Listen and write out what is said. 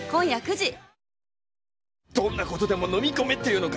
どんなことでものみ込めっていうのか。